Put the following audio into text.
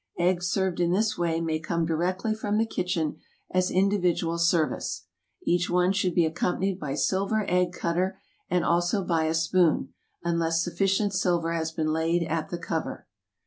Eggs served in this way may come directly from the kitchen as individual service. Each one should be accompanied by silver egg cut ter, and also by a spoon, unless sufficient silver has been laid at the cover.